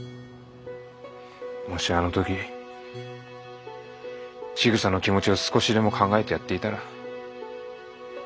もしあの時ちぐさの気持ちを少しでも考えてやっていたら。